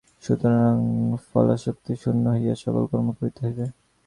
সুতরাং ফলাসক্তি শূন্য হইয়া সকল কর্ম করিতে হইবে।